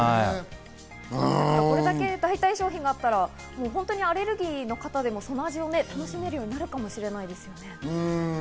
これだけ代替商品があったらアレルギーの方でもその味を楽しめるようになるかもしれないですね。